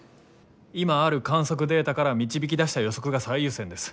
今ある観測データから導き出した予測が最優先です。